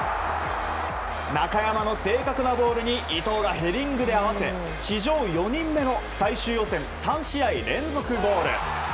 中山の正確なボールに伊東がヘディングで合わせ史上４人目の最終予選３試合連続ゴール。